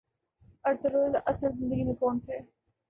Ertugrul اصل زندگی میں کون تھے